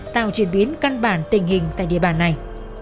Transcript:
tạo chuyển biến căn bản tình hình tại địa bàn này